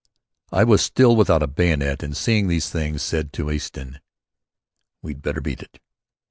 I was still without a bayonet, and seeing these things, said to Easton: "We'd better beat it."